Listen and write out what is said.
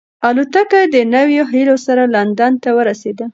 الوتکه د نویو هیلو سره لندن ته ورسېده.